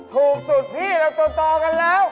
ถูกสุดพี่แล้วตัวต่อกันแล้ว